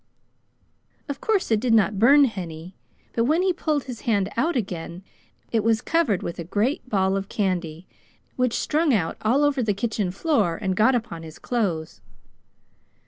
Of course it did not burn Henny, but when he pulled his hand out again, it was covered with a great ball of candy, which strung out all over the kitchen floor and got upon his clothes.